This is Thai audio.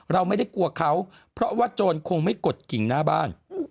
เราไม่ได้กลัวเขาเพราะว่าโจรคงไม่กดกิ่งหน้าบ้าน